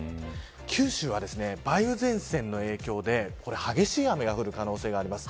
九州は梅雨前線の影響で激しい雨が降る可能性があります。